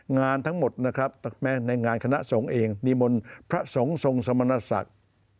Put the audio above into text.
งานทั้งหมดนะครับในงานคณะสงฆ์เองนิมนต์พระสงฆ์ทรงสมณศักดิ์